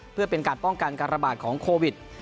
เพื่อเป็นการป้องกันการระบาดของโควิด